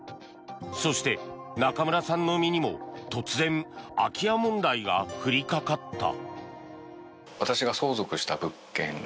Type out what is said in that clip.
そして、中村さんの身にも突然、空き家問題が降りかかった。